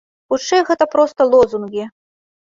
Хутчэй гэта проста лозунгі.